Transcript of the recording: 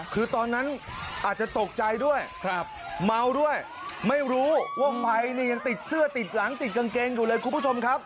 คือตอนนั้นอาจจะตกใจด้วยเมาด้วยไม่รู้ว่าไฟเนี่ยยังติดเสื้อติดหลังติดกางเกงอยู่เลยคุณผู้ชมครับ